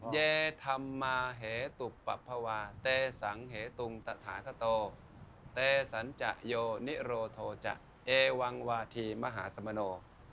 เยธรรมาเหตุปภาวะเตสังเหตุงตะถาธโตเตสัญจโยนิโรโทจะเอวังวาธีมหาสมโน